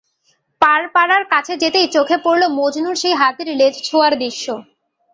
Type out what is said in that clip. পাড়পাড়ার কাছে যেতেই চোখে পড়ল মজনুর সেই হাতির লেজ ছোঁয়ার দৃশ্য।